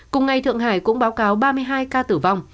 cùng ngày thượng hải cũng báo cáo ba mươi hai ca tử vong